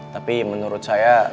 tapi menurut saya